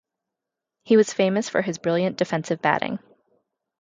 He was famous for his brilliant defensive batting.